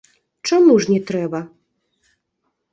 Чаму ж не трэба?